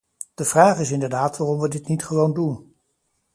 De vraag is inderdaad waarom we dit niet gewoon doen.